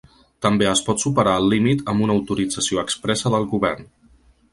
També es pot superar el límit amb una autorització expressa del govern.